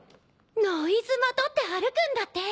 ノイズまとって歩くんだって。